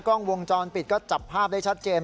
กล้องวงจรปิดก็จับภาพได้ชัดเจน